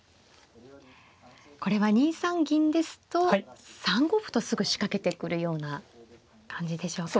これは２三銀ですと３五歩とすぐ仕掛けてくるような感じでしょうか。